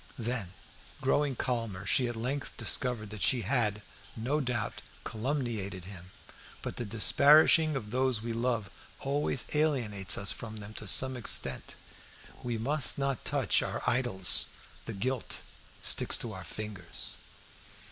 Then, growing calmer, she at length discovered that she had, no doubt, calumniated him. But the disparaging of those we love always alienates us from them to some extent. We must not touch our idols; the gilt sticks to our fingers.